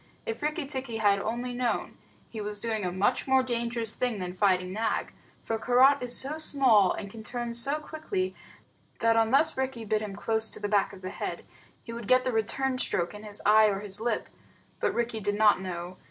If Rikki tikki had only known, he was doing a much more dangerous thing than fighting Nag, for Karait is so small, and can turn so quickly, that unless Rikki bit him close to the back of the head, he would get the return stroke in his eye or his lip. But Rikki did not know.